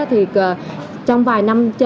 trong vài năm